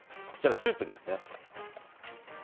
こちらスープですね。